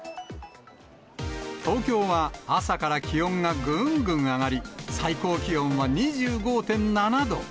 東京は朝から気温がぐんぐん上がり、最高気温は２５．７度。